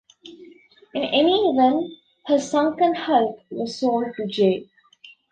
In any event, her sunken hulk was sold to J.